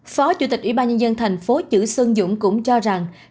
phó chủ tịch ủy ban nhân dân thành phố chử xuân dũng cũng cho rằng